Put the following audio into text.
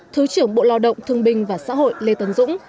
thứ trưởng bộ lao động thương binh và xã hội lê tấn dũng